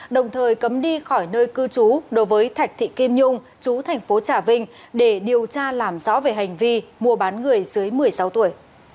đồng thời cấm đi khỏi nơi cư trú đối với thạch thị kim nhung chú thành phố trà vinh để điều tra làm rõ về hành vi mua bán người dưới một mươi sáu tuổi